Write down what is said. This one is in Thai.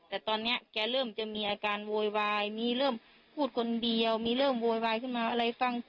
แต่ตอนนี้แกเริ่มจะมีอาการโวยวายมีเรื่อง